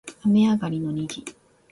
雨上がりの虹